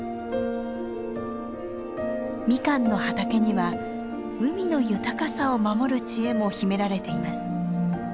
ミカンの畑には海の豊かさを守る知恵も秘められています。